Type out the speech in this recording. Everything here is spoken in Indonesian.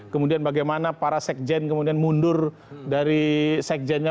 kemudian bagaimana para sekjen kemudian mundur dari sekjennya